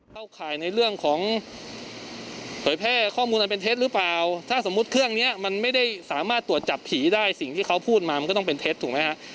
ข่ายในเรื่องของเผยแพร่ข้อมูลอันเป็นเท็จหรือเปล่าถ้าสมมุติเครื่องนี้มันไม่ได้สามารถตรวจจับผีได้สิ่งที่เขาพูดมามันก็ต้องเป็นเท็จถูกไหมฮะ